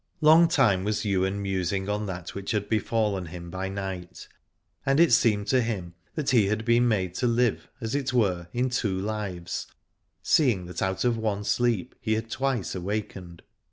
Long time was Ywain musing on that which had befallen him by night, and it seemed to him that he had been made to live as it were in two lives, seeing that out of one sleep he had twice awaked.